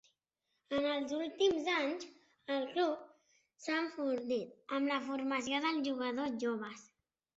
En els últims anys, el club s'ha enfortit amb la formació de jugadors joves.